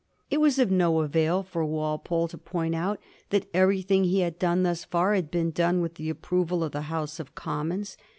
It was of no avail for Walpole to point out that everything he had done thus far had been done with the approval of the House of Commons.